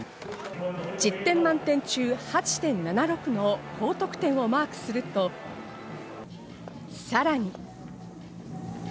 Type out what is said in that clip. １０点満点中８．７６の高得点をマークすると、さらに。